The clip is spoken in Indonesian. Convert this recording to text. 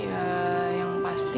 ya yang pasti